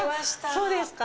あっ、そうですか。